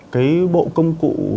cái bộ công cụ